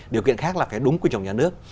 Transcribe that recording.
điều kiện khác là phải đúng quy trọng nhà nước